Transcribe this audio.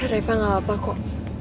reva gak apa apa kok